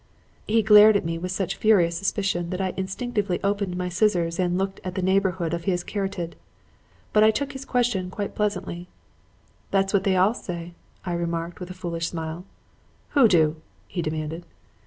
"He glared at me with such furious suspicion that I instinctively opened my scissors and looked at the neighborhood of his carotid. But I took his question quite pleasantly. "'That's what they all say,' I remarked with a foolish smile. "'Who do?' he demanded.